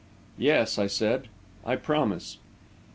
"Yes," I said, "I promise."